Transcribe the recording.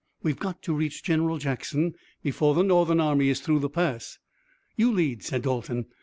We've got to reach General Jackson before the Northern army is through the pass." "You lead," said Dalton.